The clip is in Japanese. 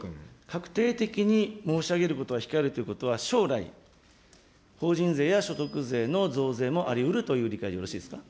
確定的に申し上げることは控えるということは、将来、法人税や所得税の増税もありうるという理解でよろしいですか。